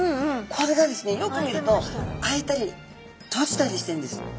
これがですねよく見ると開いたり閉じたりしてるんです。